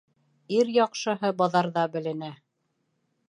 Ир яҡшыһы баҙарҙа беленә.